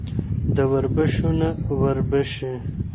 د وربشو نه وربشې.